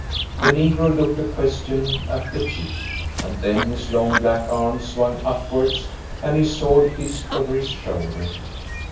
The negro looked a question at the chief, and then his long black arm swung upwards and his sword hissed over his shoulder.